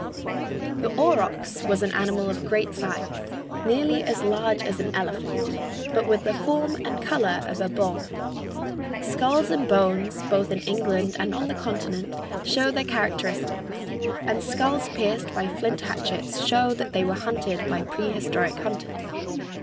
The aurochs was an animal of great size, nearly as large as an elephant, but with the form and color of a bull. Skulls and bones, both in England and on the Continent, show their characteristics, and skulls pierced by flint hatchets show that they were hunted by prehistoric hunters.